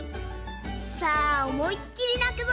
さあおもいっきりなくぞ。